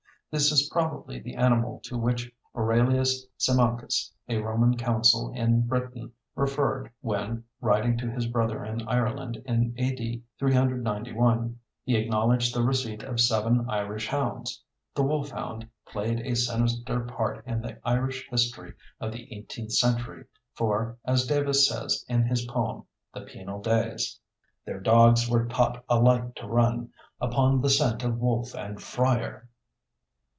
This is probably the animal to which Aurelius Symmachus, a Roman consul in Britain, referred when, writing to his brother in Ireland in A.D. 391, he acknowledged the receipt of seven Irish hounds. The wolfhound played a sinister part in the Irish history of the eighteenth century, for, as Davis says in his poem, "The Penal Days": Their dogs were taught alike to run Upon the scent of wolf and friar.